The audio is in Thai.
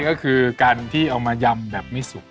ก็คือการที่เอามายำแบบไม่สุก